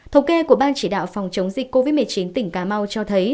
thống kê của ban chỉ đạo phòng chống dịch covid một mươi chín tỉnh cà mau cho thấy